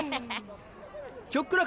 あっ。